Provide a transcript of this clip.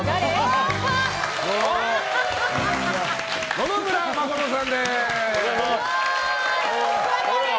野々村真さんです。